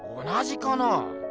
同じかな？